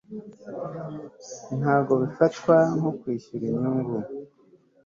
ntabwo bifatwa nko kwishyura inyungu